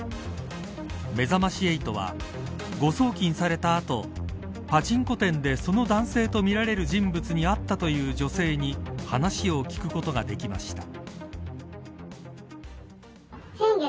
めざまし８は誤送金された後パチンコ店でその男性とみられる人物に会ったという女性に話を聞くことができました。